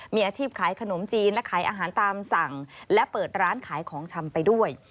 มีอาชีพขายขนมจีนและขายอาหารตามสั่งและเปิดร้านขายของชำไปด้วย